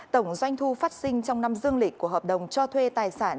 tổng doanh thu phát sinh trong năm dương lịch của hợp đồng cho thuê tài sản